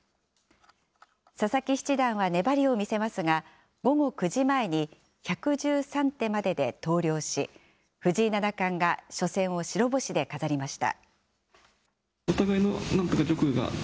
佐々木七段は粘りを見せますが、午後９時前に１１３手までで投了し、藤井七冠が初戦を白星で飾りました。